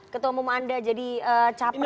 ketemu anda jadi capres